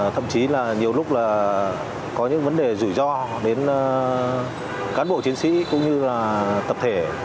thậm chí là nhiều lúc là có những vấn đề rủi ro đến cán bộ chiến sĩ cũng như là tập thể